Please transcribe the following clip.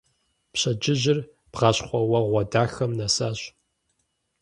Пщэдджыжьыр бгъащхъуэуэгъуэ дахэм нэсащ.